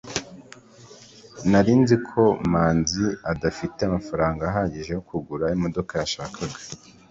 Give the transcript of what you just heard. nari nzi ko manzi adafite amafaranga ahagije yo kugura imodoka yashakaga